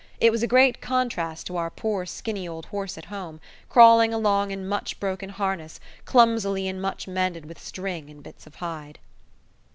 It was a great contrast to our poor skinny old horse at home, crawling along in much broken harness, clumsily and much mended with string and bits of hide.